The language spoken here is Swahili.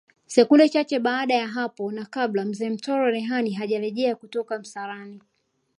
Sekunde chache baada ya hapo na kabla Mzee Mtoro Rehani hajarejea kutoka msalani